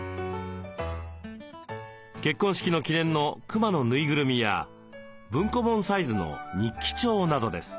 結婚式の記念のクマのぬいぐるみや文庫本サイズの日記帳などです。